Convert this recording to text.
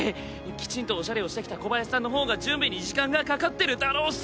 きちんとおしゃれをしてきた小林さんの方が準備に時間がかかってるだろうし！